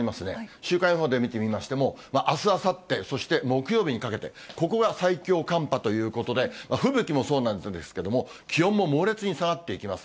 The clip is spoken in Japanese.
週間予報で見てみましても、あす、あさって、そして木曜日にかけて、ここが最強寒波ということで、吹雪もそうなんですけれども、気温も猛烈に下がっていきます。